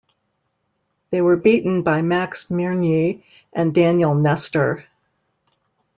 They were beaten by Max Mirnyi and Daniel Nestor.